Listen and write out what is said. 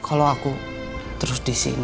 kalau aku terus disini